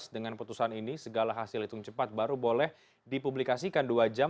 dengan putusan ini segala hasil hitung cepat baru boleh dipublikasikan dua jam